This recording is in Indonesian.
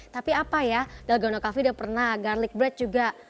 tapi apa ya dalgona coffee udah pernah garlic bread juga